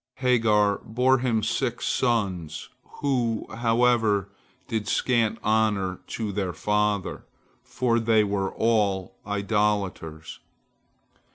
Hagar bore him six sons, who, however, did scant honor to their father, for they all were idolaters.